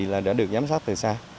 các thiết bị đã được giám sát từ xa